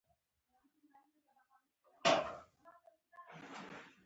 یوه د موټرو او بله د بوټانو د ترمیم وه